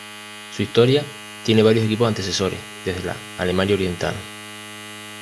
Su historia tiene varios equipos antecesores, desde la Alemania Oriental.